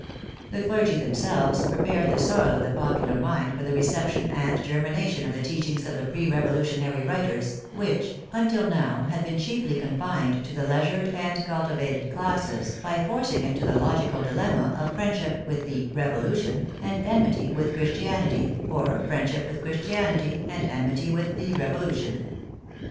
The clergy themselves prepared the soil of the popular mind for the reception and germination of the teachings of the pre revolutionary writers, which, until now, had been chiefly confined to the leisured and culti vated classes, by forcing it to the logical dilemma of friendship with the " Revolution " and enmity with Chris tianity, or friendship with Christianity and enmity with the " Revolution."